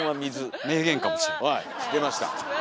出ました。